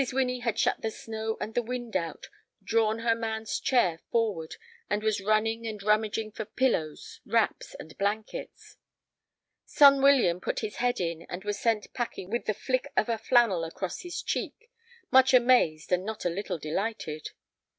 Winnie had shut the snow and the wind out, drawn her man's chair forward, and was running and rummaging for pillows, wraps, and blankets. Son William put his head in, and was sent packing with the flick of a flannel across his cheek, much amazed and not a little delighted.